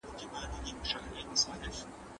که وخت وي، سندري اورم!؟